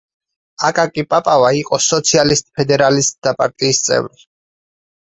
აკაკი პაპავა იყო სოციალისტ–ფედერალისტთა პარტიის წევრი.